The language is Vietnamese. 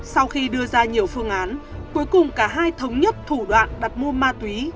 sau khi đưa ra nhiều phương án cuối cùng cả hai thống nhất thủ đoạn đặt mua ma túy